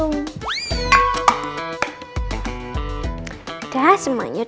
semoga seluruh kampung ini